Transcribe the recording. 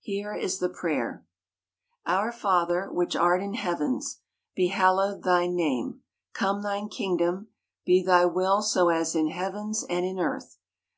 Here is the prayer: "Our Father which art in Heavens, be hallowed thine name; come thine Kingdom; be thy will so as in Heavens and in Earth.